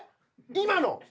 今の。